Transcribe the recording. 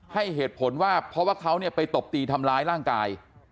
ให้เหตุผลว่าเพราะว่าเขาไปตบตีทำร้ายร่างกาย